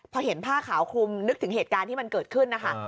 พอเห็นผ้าขาวคลุมนึกถึงเหตุการณ์ที่มันเกิดขึ้นนะคะ